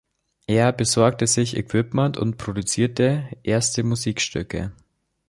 Er besorgte sich Equipment und produzierte erste Musikstücke.